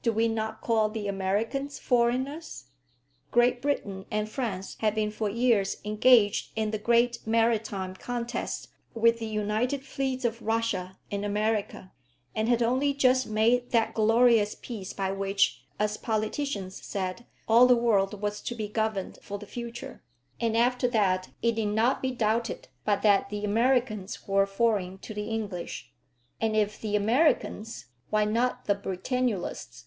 Do we not call the Americans foreigners?" Great Britain and France had been for years engaged in the great maritime contest with the united fleets of Russia and America, and had only just made that glorious peace by which, as politicians said, all the world was to be governed for the future; and after that, it need not be doubted but that the Americans were foreign to the English; and if the Americans, why not the Britannulists?